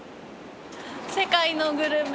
世界のグルメ。